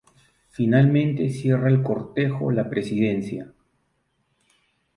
Finalmente cierra el cortejo la presidencia.